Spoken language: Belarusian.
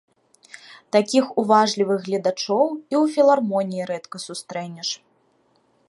Такіх уважлівых гледачоў і ў філармоніі рэдка сустрэнеш.